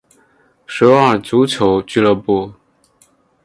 首尔足球俱乐部。